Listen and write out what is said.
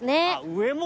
上も！